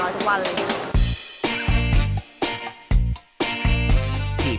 ทุกวันเลย